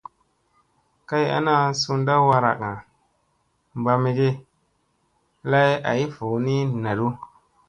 Kay ana ,sunɗa waraga, ɓaa mege lay ay voo ni naɗu.